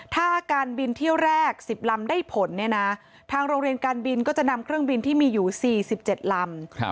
ถ้าการบินเที่ยวแรก๑๐ลำได้ผลเนี่ยนะทางโรงเรียนการบินก็จะนำเครื่องบินที่มีอยู่๔๗ลำ